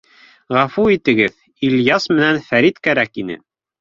— Ғәфү итегеҙ, Ильяс менән Фәрит кәрәк ине.